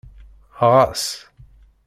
Ɣas.